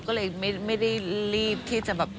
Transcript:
ก็เลยไม่ได้รีบที่จะแบบ